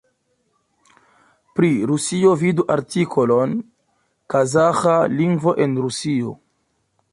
Pri Rusio vidu artikolon Kazaĥa lingvo en Rusio.